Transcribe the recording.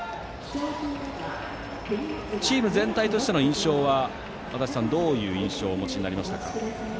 チーム全体としての印象は足達さん、どういう印象をお持ちになりましたか。